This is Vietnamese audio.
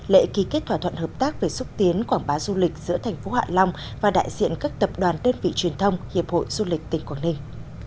lệ ký kết thỏa thuận hợp tác về xúc tiến quảng bá du lịch giữa tp hạ long và đại diện các tập đoàn đơn vị truyền thông hiệp hội du lịch tỉnh quảng ninh